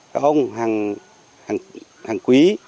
các ông hàng quý hàng năm đến ngày hôm nay